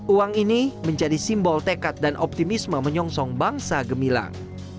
uang ini menjadi simbol tekad dan optimisme menyongsong bangsa gemilang